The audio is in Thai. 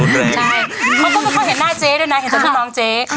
ใช่เขาก็ไม่ค่อยเห็นหน้าเจ๊ด้วยนะเห็นแต่ลูกน้องเจ๊